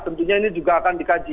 tentunya ini juga akan dikaji